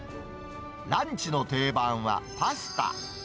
ランチの定番はパスタ。